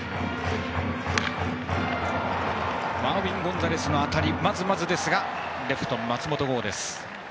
マーウィン・ゴンザレスの当たり、まずまずでしたがレフトの松本剛がとりました。